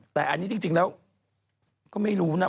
แต่อันนี้จริงแล้วก็ไม่รู้นะ